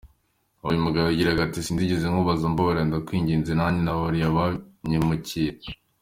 Uyu mugabo yagiraga ati: "Sinigeze nkubabaza mbabarira ndakwinginze, nanjye nababariye abampemukiye".